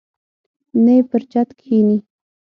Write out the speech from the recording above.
نه یې پر چت کښیني.